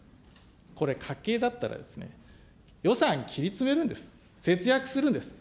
これ、家計だったらですね、予算切り詰めるんです、節約するんです。